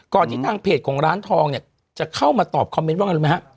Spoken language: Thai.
ที่ทางเพจของร้านทองเนี่ยจะเข้ามาตอบคอมเมนต์ว่าไงรู้ไหมฮะ